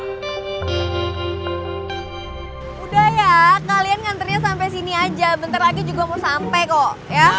udah ya kalian nganterin sampai sini aja bentar lagi juga mau sampai kok